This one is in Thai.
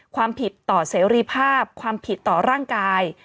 ความผิดต่อเสรีภาพความผิดต่อร่างกาย